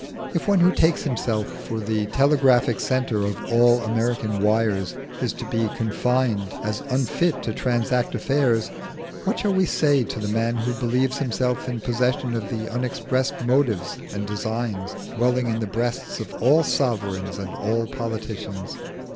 If one who takes himself for the telegraphic centre of all American wires is to be confined as unfit to transact affairs, what shall we say to the man who believes himself in possession of the unexpressed motives and designs dwelling in the breasts of all sovereigns and all politicians?